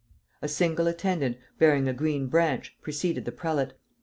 A single attendant, bearing a green branch, preceded the prelate.